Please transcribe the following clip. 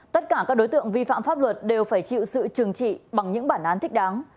tất cả các đối tượng vi phạm pháp luật đều phải chịu sự trừng trị bằng những bản án thích đáng